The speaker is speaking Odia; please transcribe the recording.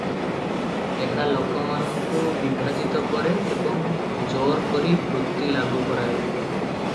ଏହା ଲୋକମାନଙ୍କୁ ବିଭାଜିତ କରେ ଏବଂ ଜୋର କରି ବୃତ୍ତି ଲାଗୁ କରାଏ ।